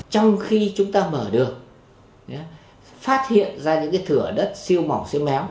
trong khi chúng ta mở đường phát hiện ra những thửa đất siêu mỏng